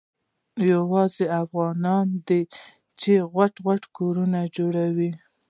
یوازي افغانان دي چي غټي غټي کورنۍ جوړوي.